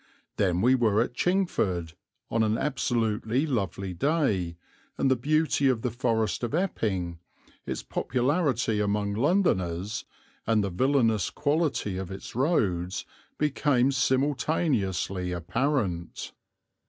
Then we were at Chingford, on an absolutely lovely day, and the beauty of the Forest of Epping, its popularity among Londoners, and the villainous quality of its roads became simultaneously apparent.